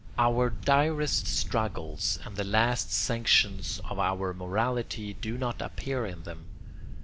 Our direst struggles and the last sanctions of our morality do not appear in them.